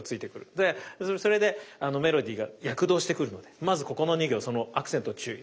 でそれでメロディーが躍動してくるのでまずここの２行そのアクセント注意。